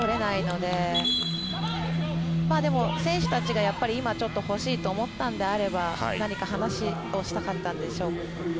でも、選手たちが今、欲しいと思ったんであれば何か話をしたかったんでしょう。